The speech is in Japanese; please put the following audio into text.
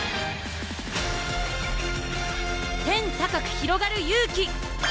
天高くひろがる勇気！